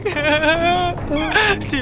aduh aduh dek